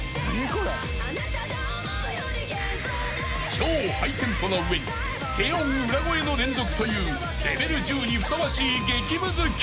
［超ハイテンポな上に低音裏声の連続というレベル１０にふさわしい激むず曲］